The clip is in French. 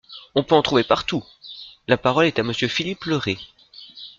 On peut en trouver partout ! La parole est à Monsieur Philippe Le Ray.